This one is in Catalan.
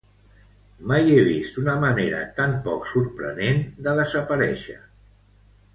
Mai he vist una manera tan poc sorprenent de desaparèixer.